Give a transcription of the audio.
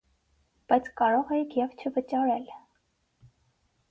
Բայց կարող էիք և չվճարել.